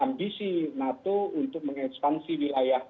ambisi nato untuk mengekspansi wilayah